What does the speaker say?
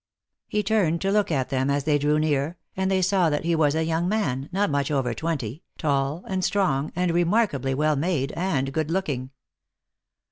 He turned to look at them as they drew near, and they saw that lie was a young man, not much over twenty, tall and strong, and remarkably well made and good looking.